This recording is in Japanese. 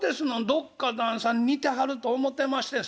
どっか旦さんに似てはると思てましてん。